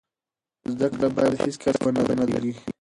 زده کړه باید هیڅکله ونه دریږي.